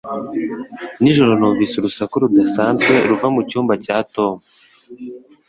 Nijoro numvise urusaku rudasanzwe ruva mucyumba cya Tom